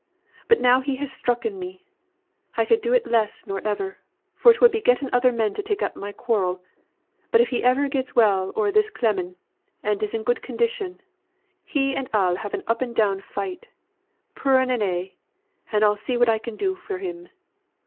But now he has strucken me, I could do it less nor ever, for it would be getting other men to take up my quarrel. But if ever he gets well o'er this clemming, and is in good condition, he and I'll have an up and down fight, purring an' a', and I'll see what I can do for him.